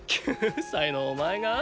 ９歳のお前が？